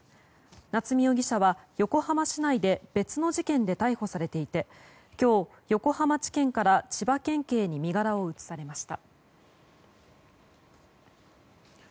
夏見容疑者は横浜市内で別の事件で逮捕されていて今日、横浜地検から千葉県警に身柄を移されました。